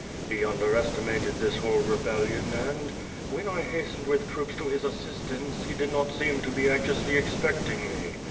He underestimated this whole rebellion and, when 1 hastened with troops to his assistance, he did not seem to be anxiously expecting me.